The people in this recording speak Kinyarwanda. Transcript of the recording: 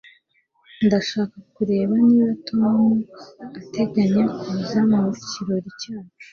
Ndashaka kureba niba Tom ateganya kuza mu kirori cyacu